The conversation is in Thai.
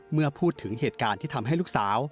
เมื่อพูดถึงเหตุการณ์ที่ทำให้ลูกสาว